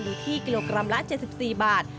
อยู่ที่กิโลกรัมละ๗๔บาท